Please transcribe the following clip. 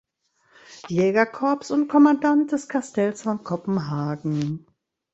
Jägerkorps und Kommandant des Kastells von Kopenhagen.